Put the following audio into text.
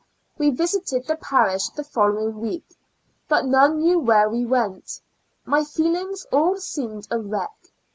We visited the parish the following week, but none knew where we went ; my feelings all seemed a wreck.